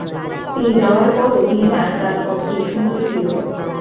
তিনি যাওয়ার পরও ভিয়েনায় তার পদটি শূন্যই ছিল।